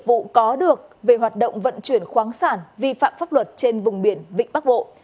vụ có được về hoạt động vận chuyển khoáng sản vi phạm pháp luật trên vùng biển vịnh bắc bộ